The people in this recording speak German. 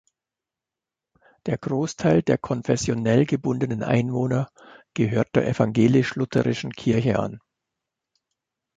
Der Großteil der konfessionell gebundenen Einwohner gehört der evangelisch-lutherischen Kirche an.